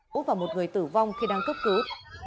cú và một người tử vong khi đang cấp cứu